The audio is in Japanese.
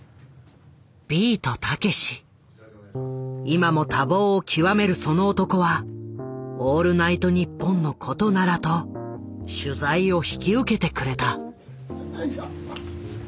今も多忙を極めるその男は「オールナイトニッポン」のことならと取材を引き受けてくれた。